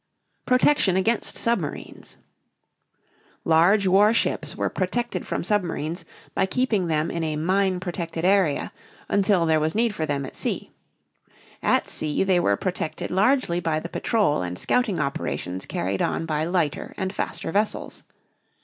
PROTECTION AGAINST SUBMARINES. Large war ships were protected from submarines by keeping them in a mine protected area until there was need for them at sea. At sea they were protected largely by the patrol and scouting operations carried on by lighter and faster vessels.